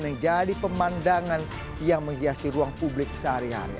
yang jadi pemandangan yang menghiasi ruang publik sehari hari